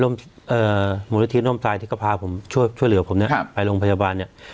มหลักฐานที่ก็พาช่วยเหลือผมไปโรงพยาบาลเนี่ย